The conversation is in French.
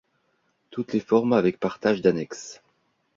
Toutes les formes avec partage d'annexes.